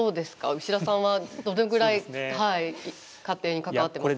牛田さんはどのぐらい家庭に関わってますか。